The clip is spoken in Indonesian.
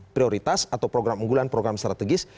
prioritas atau program unggulan program strategis